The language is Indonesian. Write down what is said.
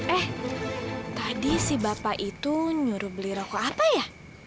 eh tadi si bapak itu nyuruh beli rokok apa ya